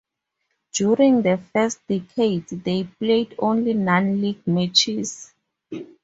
During the first decades, they played only non-league matches.